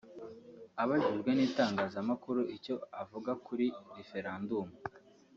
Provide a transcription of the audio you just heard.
Abajijwe n’itangazamakuru icyo avuga kuri referandumu